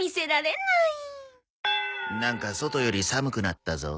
なんか外より寒くなったぞ。